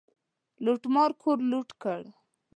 لوټمار کور لوټ کړ.